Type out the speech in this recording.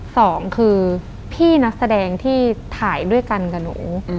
สองคือพี่นักแสดงที่ถ่ายด้วยกันกับหนู